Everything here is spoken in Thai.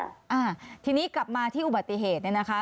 อ่าทีนี้กลับมาที่อุบัติเหตุเนี่ยนะคะ